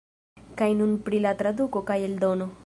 Kaj nun pri la traduko kaj eldono.